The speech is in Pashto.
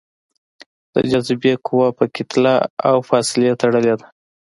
د جاذبې قوه په کتله او فاصلې تړلې ده.